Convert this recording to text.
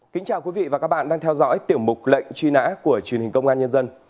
kính chào quý vị và các bạn đang theo dõi tiểu mục lệnh truy nã của truyền hình công an nhân dân